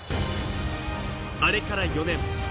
あれから４年。